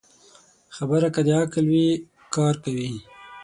خبره که د عقل وي، کار کوي